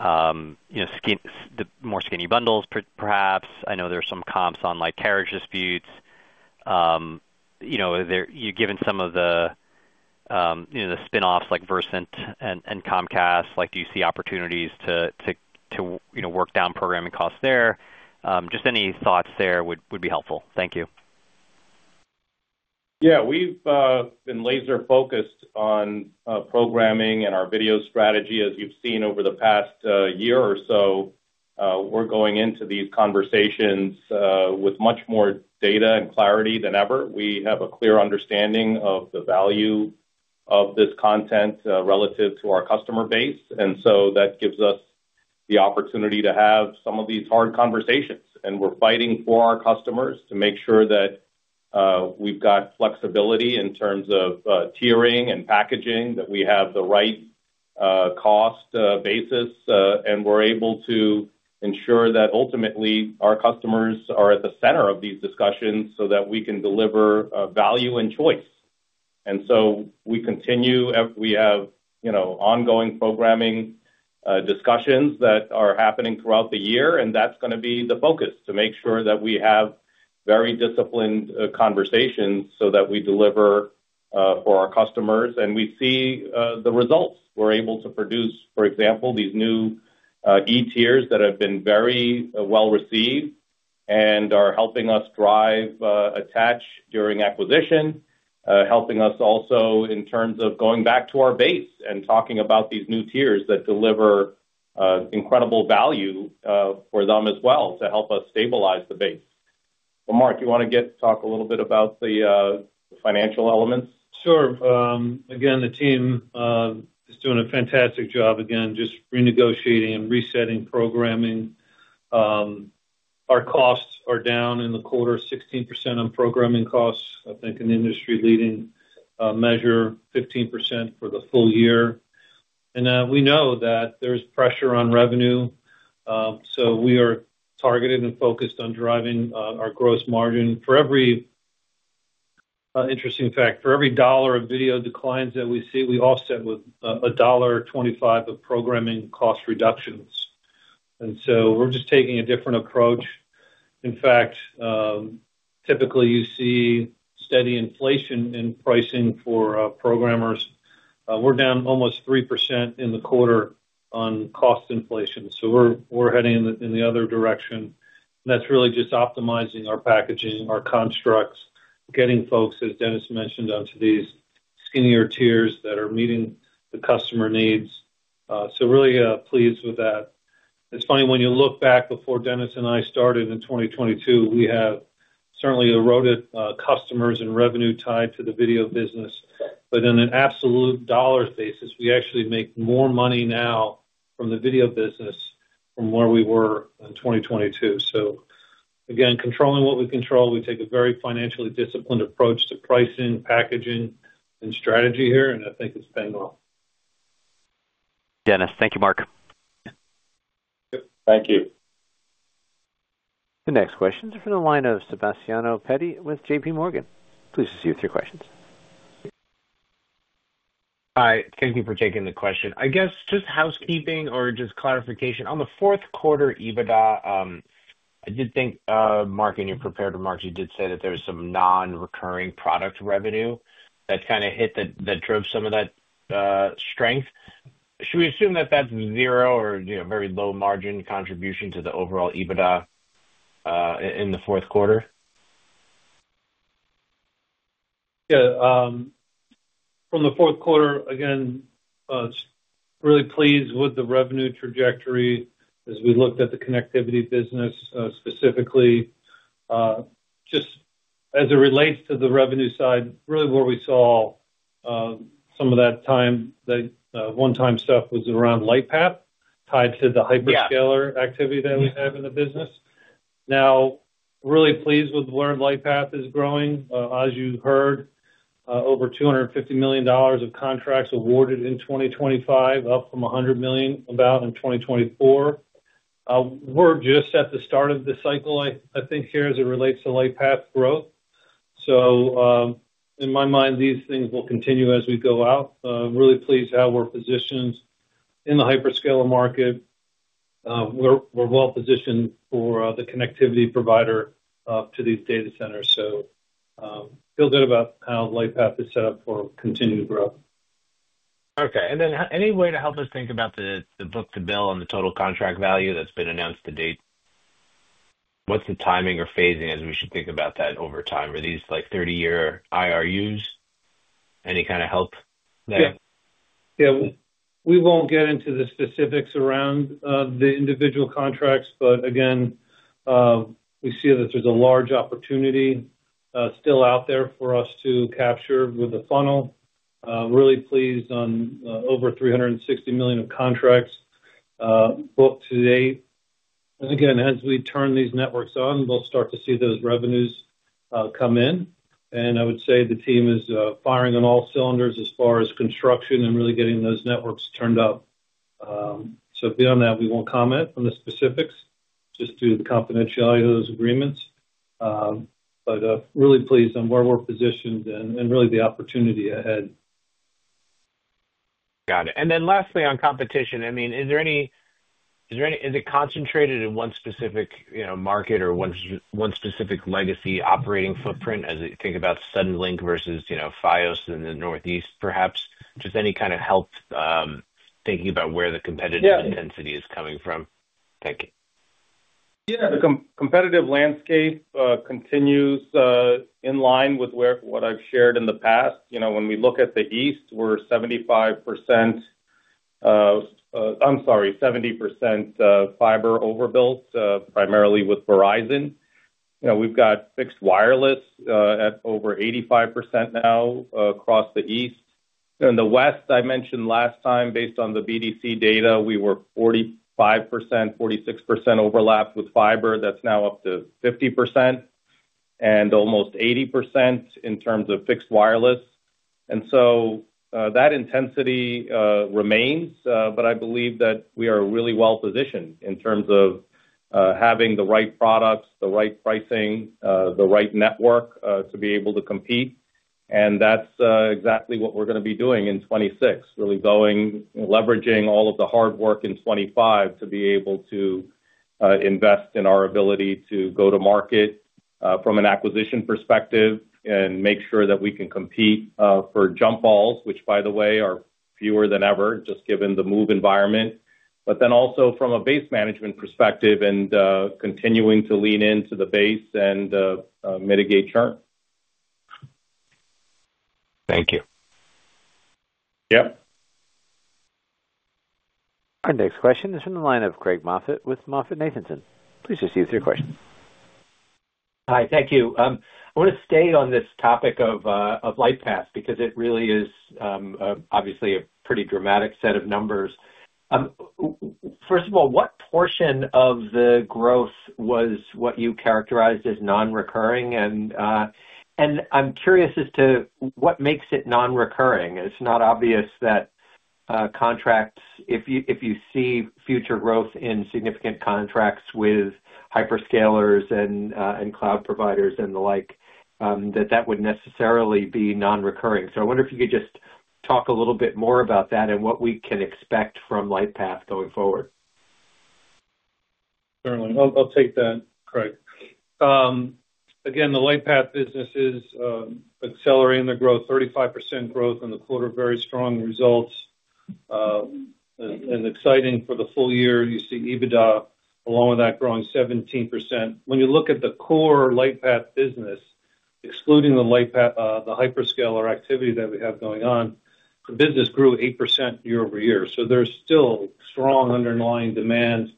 you know, more skinny bundles, perhaps. I know there are some comps on, like, carriage disputes. You know, there. You've given some of the, you know, the spinoffs like Verizon and Comcast, like, do you see opportunities to work down programming costs there? Just any thoughts there would be helpful. Thank you. Yeah. We've been laser focused on programming and our video strategy, as you've seen over the past year or so. We're going into these conversations with much more data and clarity than ever. We have a clear understanding of the value of this content relative to our customer base, and so that gives us the opportunity to have some of these hard conversations. We're fighting for our customers to make sure that we've got flexibility in terms of tiering and packaging, that we have the right cost basis, and we're able to ensure that ultimately our customers are at the center of these discussions so that we can deliver value and choice. So we continue. We have, you know, ongoing programming discussions that are happening throughout the year, and that's gonna be the focus, to make sure that we have very disciplined conversations so that we deliver for our customers, and we see the results. We're able to produce, for example, these new E-tiers that have been very well-received and are helping us drive attach during acquisition, helping us also in terms of going back to our base and talking about these new tiers that deliver incredible value for them as well, to help us stabilize the base. Well, Marc, you want to talk a little bit about the financial elements? Sure. Again, the team is doing a fantastic job again, just renegotiating and resetting programming. Our costs are down in the quarter, 16% on programming costs, I think, an industry-leading measure, 15% for the full year. And, we know that there's pressure on revenue, so we are targeted and focused on driving our gross margin. For every... Interesting fact: for every $1 of video declines that we see, we offset with $1.25 of programming cost reductions. And so we're just taking a different approach. In fact, typically, you see steady inflation in pricing for programmers. We're down almost 3% in the quarter on cost inflation, so we're heading in the other direction. That's really just optimizing our packaging, our constructs, getting folks, as Dennis mentioned, onto these skinnier tiers that are meeting the customer needs. So really, pleased with that. It's funny, when you look back before Dennis and I started in 2022, we have certainly eroded, customers and revenue tied to the video business. But in an absolute dollar basis, we actually make more money now from the video business from where we were in 2022. So again, controlling what we control, we take a very financially disciplined approach to pricing, packaging, and strategy here, and I think it's paying off. Dennis, thank you, Marc. Yep, thank you. The next question is from the line of Sebastiano Petti with JPMorgan. Please proceed with your questions. Hi, thank you for taking the question. I guess, just housekeeping or just clarification, on the fourth quarter EBITDA, I did think, Marc, and you're prepared, Marc, you did say that there was some non-recurring product revenue that kind of hit the-- that drove some of that, strength. Should we assume that that's zero or, you know, very low margin contribution to the overall EBITDA, in the fourth quarter? Yeah, from the fourth quarter, again, really pleased with the revenue trajectory as we looked at the connectivity business, specifically. Just as it relates to the revenue side, really where we saw some of that time, the one-time stuff was around Lightpath, tied to the hyperscaler activity that we have in the business. Now, really pleased with where Lightpath is growing. As you heard, over $250 million of contracts awarded in 2025, up from about $100 million in 2024. We're just at the start of the cycle, I think, here, as it relates to Lightpath growth. So, in my mind, these things will continue as we go out. Really pleased how we're positioned in the hyperscaler market. We're well-positioned for the connectivity provider to these data centers. Feel good about how Lightpath is set up for continued growth. Okay. And then, any way to help us think about the, the book to bill on the total contract value that's been announced to date? What's the timing or phasing as we should think about that over time? Are these, like, 30-year IRUs? Any kind of help there? Yeah. Yeah, we won't get into the specifics around the individual contracts, but again, we see that there's a large opportunity still out there for us to capture with the funnel. Really pleased on over $360 million of contracts booked to date. And again, as we turn these networks on, we'll start to see those revenues come in, and I would say the team is firing on all cylinders as far as construction and really getting those networks turned up. So beyond that, we won't comment on the specifics, just due to the confidentiality of those agreements. But really pleased on where we're positioned and really the opportunity ahead. Got it. And then lastly, on competition, I mean, is there any- is it concentrated in one specific, you know, market or one specific legacy operating footprint as you think about Suddenlink vs, you know, Fios in the Northeast, perhaps? Just any kind of help, thinking about where the competitive- Yeah... intensity is coming from? Thank you. Yeah, the competitive landscape continues in line with where what I've shared in the past. You know, when we look at the East, we're 75%, I'm sorry, 70% fiber overbuilt, primarily with Verizon. You know, we've got fixed wireless at over 85% now across the East. In the West, I mentioned last time, based on the BDC data, we were 45%, 46% overlap with fiber. That's now up to 50%, and almost 80% in terms of fixed wireless. And so that intensity remains, but I believe that we are really well-positioned in terms of having the right products, the right pricing, the right network to be able to compete. And that's exactly what we're gonna be doing in 2026. Really going, leveraging all of the hard work in 2025 to be able to invest in our ability to go to market from an acquisition perspective and make sure that we can compete for jump balls, which, by the way, are fewer than ever, just given the move environment, but then also from a base management perspective and continuing to lean into the base and mitigate churn. Thank you. Yep. Our next question is from the line of Craig Moffett with MoffettNathanson. Please just use your question. Hi, thank you. I want to stay on this topic of Lightpath, because it really is obviously a pretty dramatic set of numbers. First of all, what portion of the growth was what you characterized as non-recurring? And I'm curious as to what makes it non-recurring. It's not obvious that contracts, if you see future growth in significant contracts with hyperscalers and cloud providers and the like, that that would necessarily be non-recurring. So I wonder if you could just talk a little bit more about that and what we can expect from Lightpath going forward. Certainly. I'll, I'll take that, Craig. Again, the Lightpath business is accelerating the growth, 35% growth in the quarter. Very strong results. And exciting for the full year. You see EBITDA, along with that, growing 17%. When you look at the core Lightpath business, excluding the Lightpath, the hyperscaler activity that we have going on, the business grew 8% year-over-year. So there's still strong underlying demand,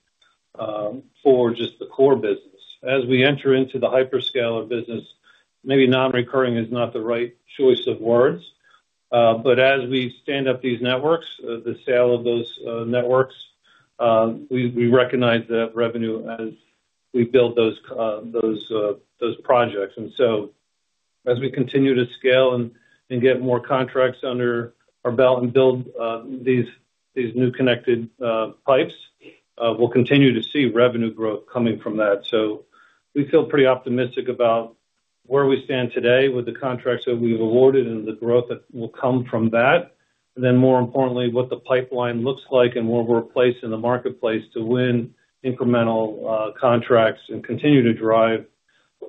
for just the core business. As we enter into the hyperscaler business, maybe non-recurring is not the right choice of words, but as we stand up these networks, the sale of those networks, we recognize that revenue as we build those projects. And so, as we continue to scale and get more contracts under our belt and build these new connected pipes, we'll continue to see revenue growth coming from that. So we feel pretty optimistic about where we stand today with the contracts that we've awarded and the growth that will come from that, and then, more importantly, what the pipeline looks like and where we're placed in the marketplace to win incremental contracts and continue to drive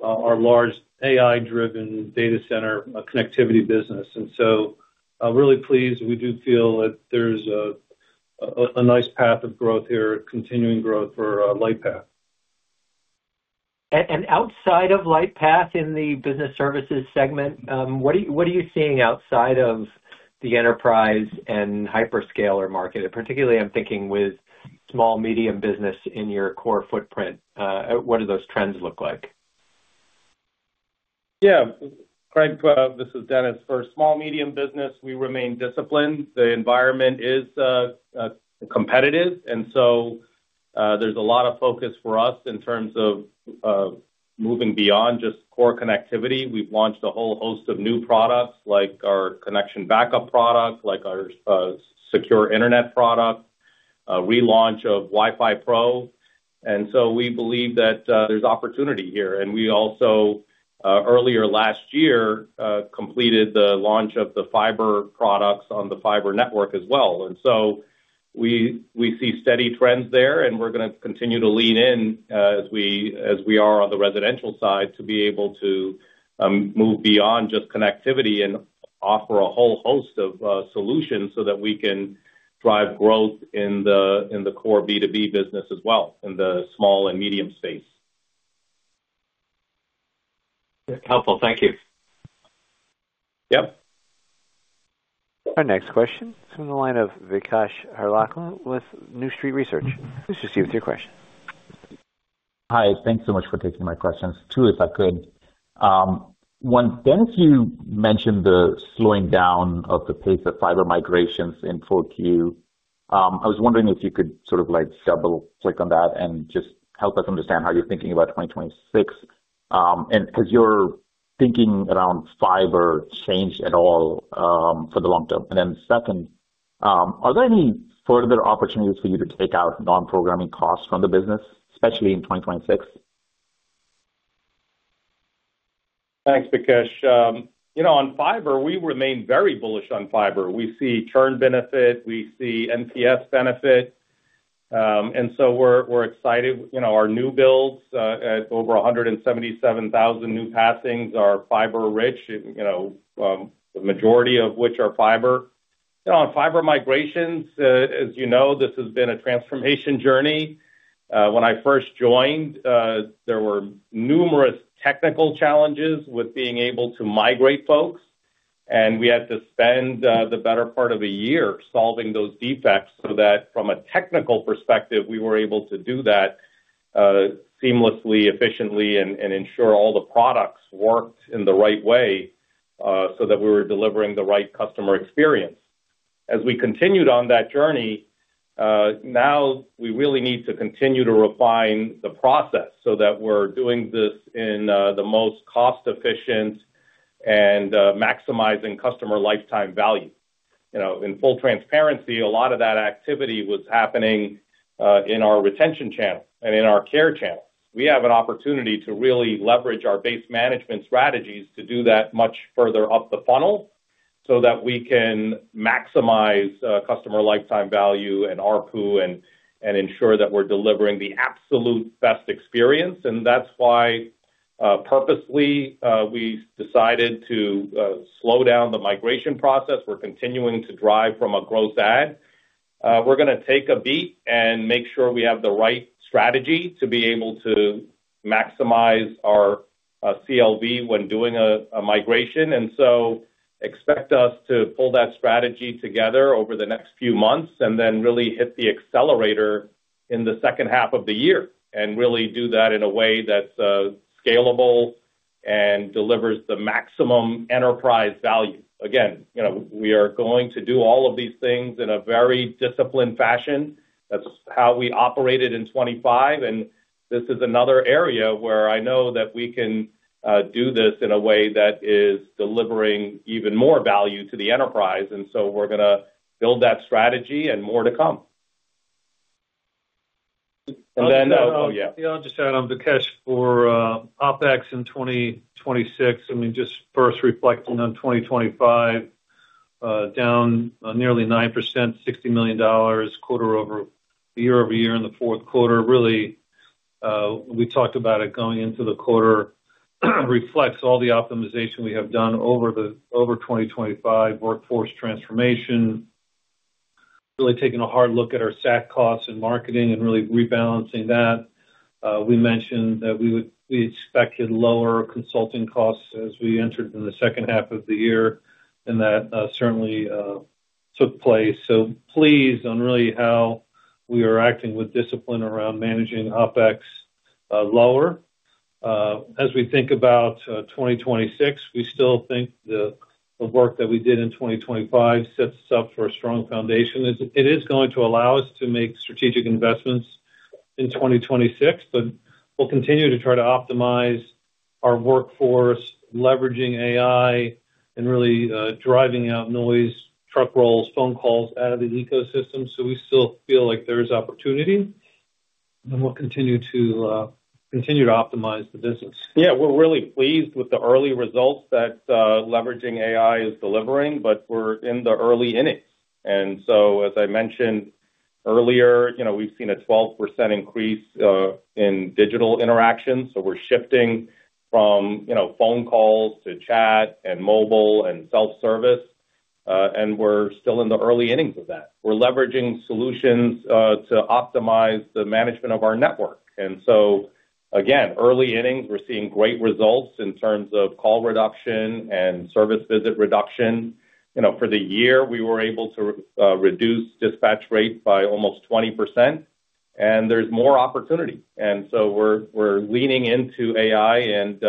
our large AI-driven data center connectivity business. And so, really pleased. We do feel that there's a nice path of growth here, continuing growth for Lightpath. And outside of Lightpath in the Business Services segment, what are you seeing outside of the enterprise and hyperscaler market, and particularly, I'm thinking with small, medium business in your core footprint, what do those trends look like? Yeah, Craig, this is Dennis. For small, medium business, we remain disciplined. The environment is competitive, and so there's a lot of focus for us in terms of moving beyond just core connectivity. We've launched a whole host of new products, like our Connection Backup product, like our Secure Internet product, a relaunch of Wi-Fi Pro. And so we believe that there's opportunity here. And we also earlier last year completed the launch of the fiber products on the fiber network as well. So we see steady trends there, and we're going to continue to lean in, as we are on the residential side, to be able to move beyond just connectivity and offer a whole host of solutions so that we can drive growth in the core B2B business as well, in the small and medium space. Helpful. Thank you. Yep. Our next question is from the line of Vikash Harlalka with New Street Research. Please proceed with your question. Hi, thanks so much for taking my questions. Two, if I could. One, Dennis, you mentioned the slowing down of the pace of fiber migrations in 4Q. I was wondering if you could sort of, like, double-click on that and just help us understand how you're thinking about 2026. And as you're thinking around fiber change at all, for the long term. And then second, are there any further opportunities for you to take out non-programming costs from the business, especially in 2026? Thanks, Vikash. You know, on fiber, we remain very bullish on fiber. We see churn benefit, we see NPS benefit, and so we're, we're excited. You know, our new builds, at over 177,000 new passings are fiber rich, you know, the majority of which are fiber. On fiber migrations, as you know, this has been a transformation journey. When I first joined, there were numerous technical challenges with being able to migrate folks, and we had to spend the better part of a year solving those defects so that from a technical perspective, we were able to do that, seamlessly, efficiently, and, and ensure all the products worked in the right way, so that we were delivering the right customer experience. As we continued on that journey, now we really need to continue to refine the process so that we're doing this in the most cost-efficient and maximizing customer lifetime value. You know, in full transparency, a lot of that activity was happening in our retention channel and in our care channel. We have an opportunity to really leverage our base management strategies to do that much further up the funnel so that we can maximize customer lifetime value and ARPU and ensure that we're delivering the absolute best experience. And that's why, purposely, we decided to slow down the migration process. We're continuing to drive from a gross add. We're going to take a beat and make sure we have the right strategy to be able to maximize our CLV when doing a migration, and so expect us to pull that strategy together over the next few months and then really hit the accelerator in the second half of the year, and really do that in a way that's scalable and delivers the maximum enterprise value. Again, you know, we are going to do all of these things in a very disciplined fashion. That's how we operated in 2025, and this is another area where I know that we can do this in a way that is delivering even more value to the enterprise, and so we're going to build that strategy and more to come. And then, oh, yeah. Yeah, I'll just add on, Vikash, for OpEx in 2026, I mean, just first reflecting on 2025, down nearly 9%, $60 million year-over-year in the fourth quarter. Really, we talked about it going into the quarter, reflects all the optimization we have done over 2025, workforce transformation, really taking a hard look at our SAC costs and marketing and really rebalancing that. We mentioned that we would—we expected lower consulting costs as we entered in the second half of the year, and that certainly took place. So pleased on really how we are acting with discipline around managing OpEx lower. As we think about 2026, we still think the work that we did in 2025 sets us up for a strong foundation. It is going to allow us to make strategic investments in 2026, but we'll continue to try to optimize our workforce, leveraging AI and really driving out noise, truck rolls, phone calls out of the ecosystem. So we still feel like there is opportunity, and we'll continue to continue to optimize the business. Yeah, we're really pleased with the early results that leveraging AI is delivering, but we're in the early innings. And so, as I mentioned earlier, you know, we've seen a 12% increase in digital interactions, so we're shifting from, you know, phone calls to chat and mobile and self-service, and we're still in the early innings of that. We're leveraging solutions to optimize the management of our network. And so again, early innings, we're seeing great results in terms of call reduction and service visit reduction. You know, for the year, we were able to reduce dispatch rate by almost 20%, and there's more opportunity. And so we're leaning into AI and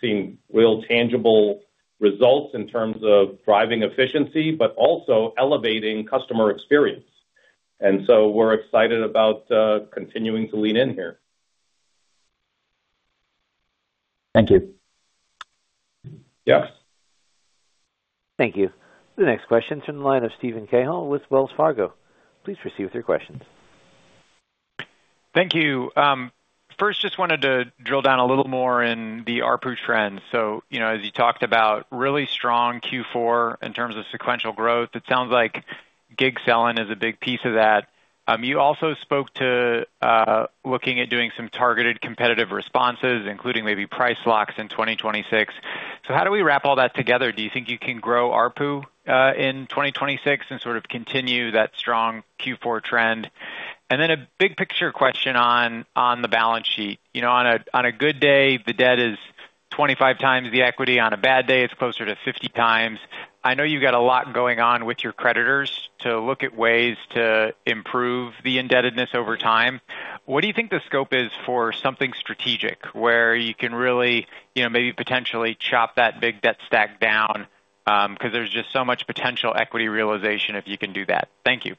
seeing real tangible results in terms of driving efficiency, but also elevating customer experience. And so we're excited about continuing to lean in here. Thank you. Yes. Thank you. The next question is from the line of Steven Cahall with Wells Fargo. Please proceed with your questions. Thank you. First, just wanted to drill down a little more in the ARPU trends. So, you know, as you talked about really strong Q4 in terms of sequential growth, it sounds like gig selling is a big piece of that. You also spoke to looking at doing some targeted competitive responses, including maybe price locks in 2026. So how do we wrap all that together? Do you think you can grow ARPU in 2026 and sort of continue that strong Q4 trend? And then a big picture question on the balance sheet. You know, on a good day, the debt is 25x the equity. On a bad day, it's closer to 50x. I know you've got a lot going on with your creditors to look at ways to improve the indebtedness over time. What do you think the scope is for something strategic, where you can really, you know, maybe potentially chop that big debt stack down? 'Cause there's just so much potential equity realization if you can do that. Thank you.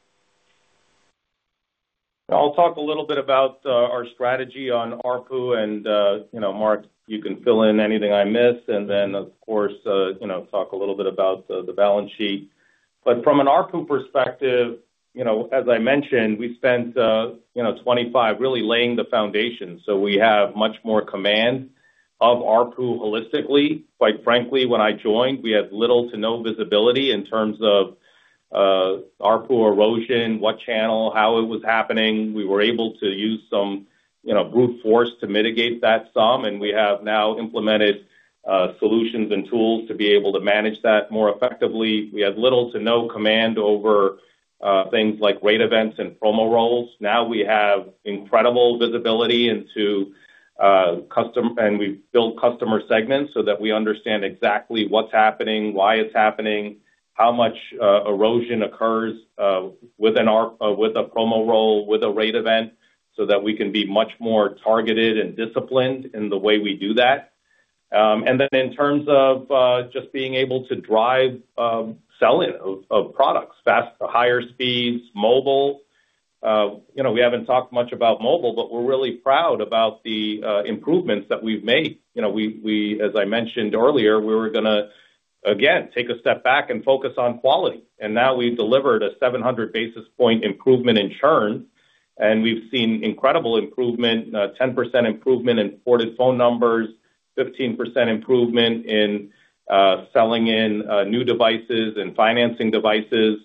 I'll talk a little bit about our strategy on ARPU, and you know, Marc, you can fill in anything I miss, and then, of course, you know, talk a little bit about the balance sheet. But from an ARPU perspective, you know, as I mentioned, we spent 2025 really laying the foundation, so we have much more command of ARPU holistically. Quite frankly, when I joined, we had little to no visibility in terms of ARPU erosion, what channel, how it was happening. We were able to use some, you know, brute force to mitigate that some, and we have now implemented solutions and tools to be able to manage that more effectively. We had little to no command over things like rate events and promo roll-offs. Now we have incredible visibility into customer and we've built customer segments so that we understand exactly what's happening, why it's happening, how much erosion occurs within our with a promo roll, with a rate event, so that we can be much more targeted and disciplined in the way we do that. And then in terms of just being able to drive selling of products, fast, higher speeds, mobile. You know, we haven't talked much about mobile, but we're really proud about the improvements that we've made. You know, as I mentioned earlier, we were gonna, again, take a step back and focus on quality, and now we've delivered a 700 basis point improvement in churn, and we've seen incredible improvement, 10% improvement in ported phone numbers, 15% improvement in selling in new devices and financing devices.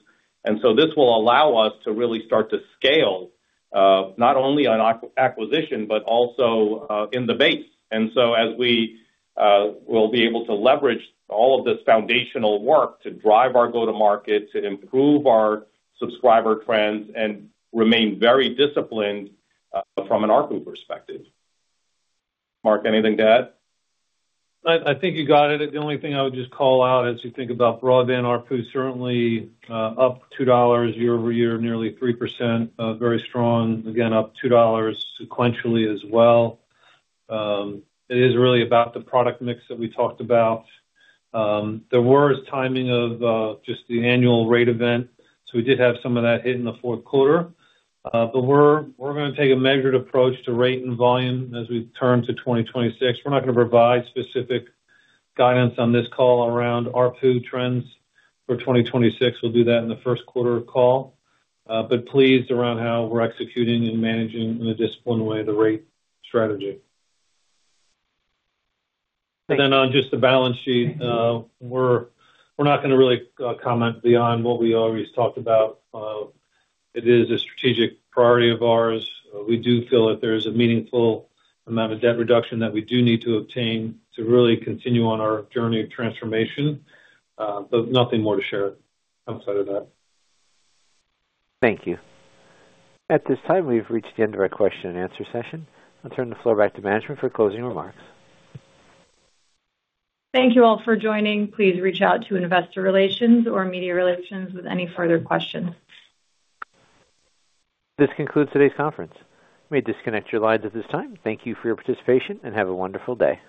And so this will allow us to really start to scale, not only on acquisition, but also in the base. And so as we will be able to leverage all of this foundational work to drive our go-to-market, to improve our subscriber trends and remain very disciplined from an ARPU perspective. Marc, anything to add? I think you got it. The only thing I would just call out as you think about Broadband ARPU, certainly, up $2 year-over-year, nearly 3%, very strong, again, up $2 sequentially as well. It is really about the product mix that we talked about. There were timing of just the annual rate event, so we did have some of that hit in the fourth quarter. But we're gonna take a measured approach to rate and volume as we turn to 2026. We're not gonna provide specific guidance on this call around ARPU trends for 2026. We'll do that in the first quarter call, but pleased around how we're executing and managing in a disciplined way, the rate strategy. Thank you. Then on just the balance sheet, we're, we're not gonna really comment beyond what we always talked about. It is a strategic priority of ours. We do feel that there is a meaningful amount of debt reduction that we do need to obtain to really continue on our journey of transformation, but nothing more to share outside of that. Thank you. At this time, we've reached the end of our question and answer session. I'll turn the floor back to management for closing remarks. Thank you all for joining. Please reach out to investor relations or media relations with any further questions. This concludes today's conference. You may disconnect your lines at this time. Thank you for your participation, and have a wonderful day.